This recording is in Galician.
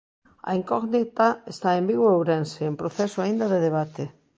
A incógnita está en Vigo e Ourense, en proceso aínda de debate.